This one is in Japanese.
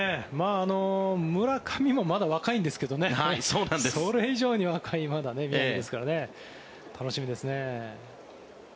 村上もまだ若いんですけどねそれ以上に若い宮城ですからね楽しみですね。